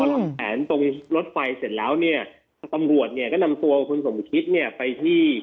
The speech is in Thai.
ทำแผนตรงรถไฟเสร็จแล้วเนี่ยตำรวจเนี่ยก็นำตัวคุณสมคิดเนี่ยไปที่